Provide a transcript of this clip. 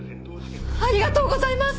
ありがとうございます！